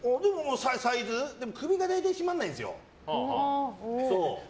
サイズ首が大体閉まらないんですよ。